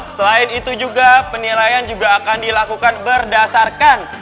selain itu juga penilaian juga akan dilakukan berdasarkan